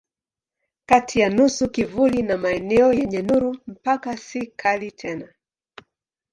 Kati ya nusu kivuli na maeneo yenye nuru mpaka si kali tena.